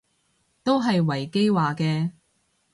都係維基話嘅